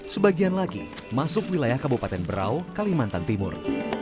sebagian lagi masuk wilayah kabupaten berau kalimantan timur